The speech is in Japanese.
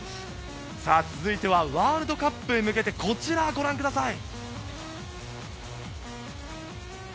続いてはワールドカップへ向けてこちらをご覧ください。